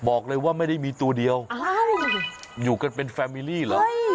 บอกเลยว่าไม่ได้มีตัวเดียวอยู่กันเป็นแฟมิลี่เหรอ